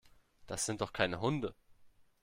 Das sind doch keine Hunde.